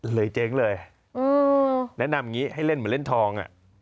เลยเจ๊งเลยแนะนำอย่างนี้ให้เล่นเหมือนเล่นทอง